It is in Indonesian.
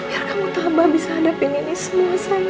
biar kamu tambah bisa hadapin ini semua sayang